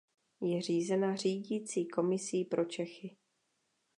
Je řízena Řídicí komisí pro Čechy.